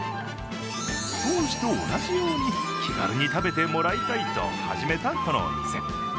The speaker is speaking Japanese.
当時と同じように気軽に食べてもらいたいと始めた、このお店。